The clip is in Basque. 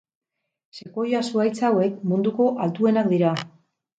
Sekuoia zuhaitz hauek munduko altuenak dira.